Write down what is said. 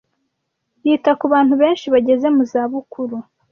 Yita kubantu benshi bageze mu zabukuru.